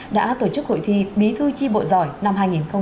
đã tổ chức hội thi bí thư chi bội giỏi năm hai nghìn hai mươi ba